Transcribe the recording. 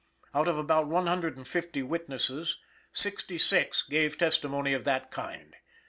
Out of about one hundred and fifty witnesses sixty six gave testimony of that kind.